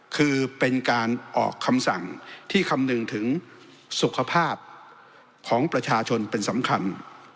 คือเป็นการออกคำสั่งที่คำนึงถึงสุขภาพของประชาชนเป็นสำคัญ